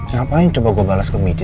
ngapain coba gue balas ke media